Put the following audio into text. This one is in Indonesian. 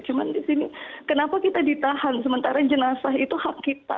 cuma di sini kenapa kita ditahan sementara jenazah itu hak kita